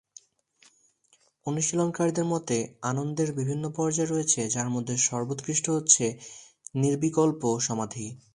অনুশীলনকারীদের মতে, আনন্দের বিভিন্ন পর্যায় রয়েছে, যার মধ্যে সর্বোৎকৃষ্ট হচ্ছে নির্বিকল্প সমাধি।